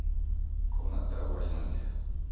こうなったら終わりなんだよ。